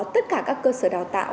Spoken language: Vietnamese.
tất cả các cơ sở đào tạo